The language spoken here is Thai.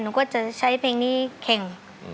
หนูก็จะใช้เพลงนี้แข่ง